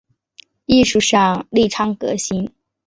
艺术上力倡革新